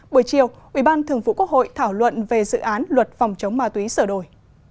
buổi chiều ủy ban thường vụ quốc hội thảo luận về dự án luật phòng chống ma túy sửa đổi